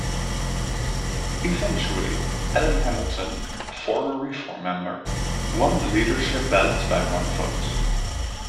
Eventually, Adam Hamilton, a former Reform member, won the leadership ballot by one vote.